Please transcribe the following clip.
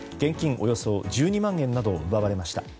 およそ１２万円などを奪われました。